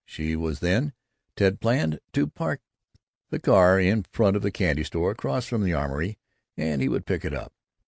She was then, Ted planned, to park the car in front of the candy store across from the Armory and he would pick it up.